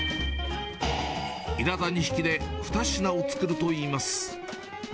イナダ２匹で２品を作るといいます。